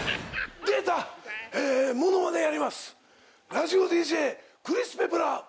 ラジオＤＪクリス・ペプラー。